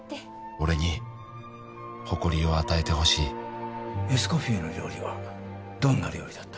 俺に誇りを与えてほしいエスコフィエの料理はどんな料理だった？